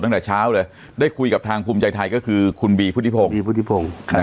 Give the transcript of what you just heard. ตั้งแต่เช้าเลยได้คุยกับทางภูมิใจไทยก็คือขุนบีพุฏิพง